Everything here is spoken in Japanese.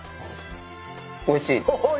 おいしい。